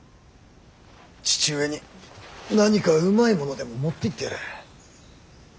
父上に何かうまいものでも持っていってやれ。